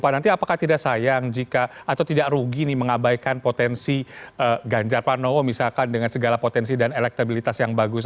nanti apakah tidak sayang jika atau tidak rugi nih mengabaikan potensi ganjar panowo misalkan dengan segala potensi dan elektabilitas yang bagus